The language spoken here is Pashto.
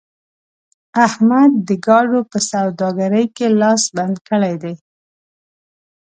احمد د ګاډو په سوداګرۍ کې لاس بند کړی دی.